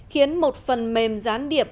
khiến một phần mềm gián điệp